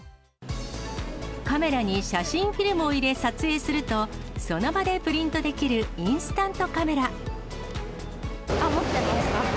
カメラに写真フィルムを入れ撮影すると、その場でプリントできる持ってました。